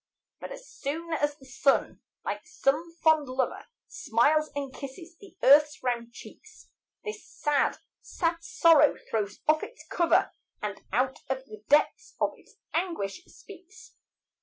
But as soon as the sun, like some fond lover, Smiles and kisses the earth's round cheeks, This sad, sad sorrow throws off its cover, And out of the depths of its anguish, speaks.